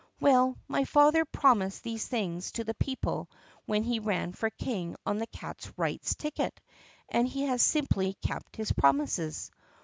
"Well, my father promised these things to the people when he ran for King on the Cats' Rights ticket, and he has simply kept his promises."